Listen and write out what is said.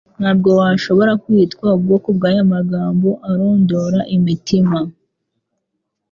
ntabwo washobora kwitwa ubwoko bw Aya magambo arondora imitima,